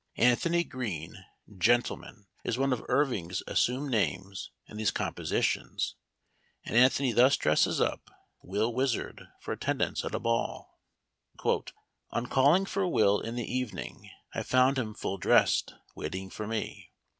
"Anthony Green, Gent," is one of Irving's assumed names in these compositions, and An 1 thony thus dresses up Will Wizard for attend ance at a ball :" On calling for Will in the evening I found him full dressed, waiting for me.